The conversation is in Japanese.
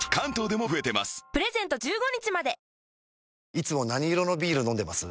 いつも何色のビール飲んでます？